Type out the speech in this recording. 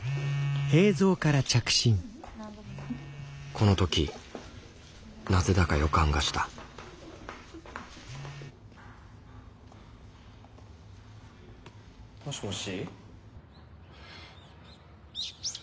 この時なぜだか予感がしたもしもし。